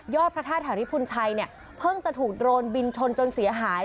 ยอดพระท่าที่ภูนชัยเนี่ยเพิ่งจะถูกโดนบินชนจนเสียหาย